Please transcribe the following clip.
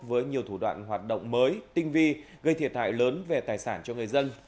với nhiều thủ đoạn hoạt động mới tinh vi gây thiệt hại lớn về tài sản cho người dân